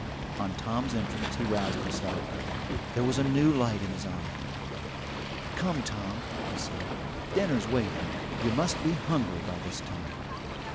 On Tom's entrance he roused himself. There was a new light in his eye. "Come, Tom," he said, "dinner's waiting. You must be hungry by this time."